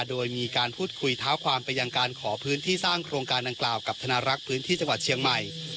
โดยมีการพูดคุยท้าความไปยังการขอพื้นที่สร้างโครงการดังกล่าวกับธนารักษ์พื้นที่จังหวัดเชียงใหม่